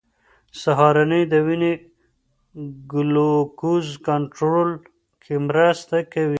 سهارنۍ د وینې ګلوکوز کنټرول کې مرسته کوي.